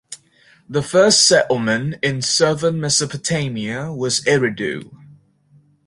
The first settlement in southern Mesopotamia was Eridu.